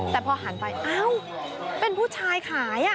แต่พอหันไปอ้าวเป็นผู้ชายขาย